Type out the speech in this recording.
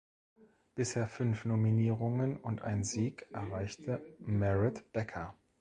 Bisher fünf Nominierungen und einen Sieg erreichte Meret Becker.